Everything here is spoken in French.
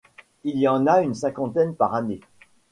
Il y en a une cinquantaine par année.